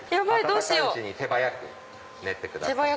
温かいうちに手早く練ってください。